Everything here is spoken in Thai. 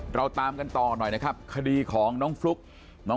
ปากกับภาคภูมิ